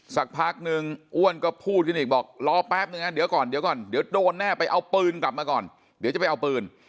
สักพักนึงอ้วนก็พูดขึ้นอีกบอกรอแป๊บนึงนะเดี๋ยวก่อนเดี๋ยวก่อนเดี๋ยวโดนแน่ไปเอาปืนกลับมาก่อนเดี๋ยวจะไปเอาปืน